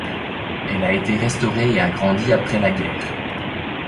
Elle a été restaurée et agrandie après la guerre.